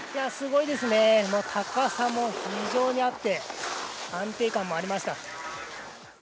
すごいですね、高さも非常にあって、安定感もありました。